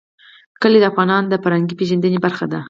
کلي د افغانانو د فرهنګي پیژندنې برخه ده.